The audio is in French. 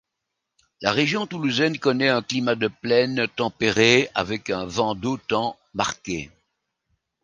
La région toulousaine connaît un climat de plaine tempéré, avec un vent d'autan marqué.